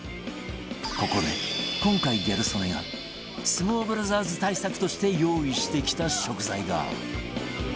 ここで今回ギャル曽根が相撲ブラザーズ対策として用意してきた食材が